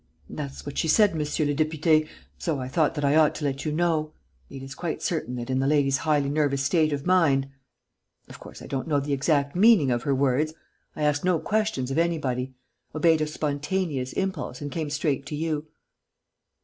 That's what she said, monsieur le député.... So I thought that I ought to let you know. It is quite certain that, in the lady's highly nervous state of mind.... Of course, I don't know the exact meaning of her words.... I asked no questions of anybody ... obeyed a spontaneous impulse and came straight to you."